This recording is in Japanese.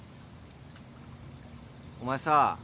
お前さ